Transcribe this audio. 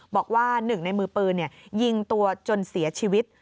บอกว่าหนึ่งในมือปืนยิงตัวจนเสียชีวิต